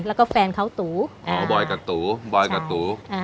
แล้วก็แฟนเขาตูอ๋อบอยกับตูบอยกับตู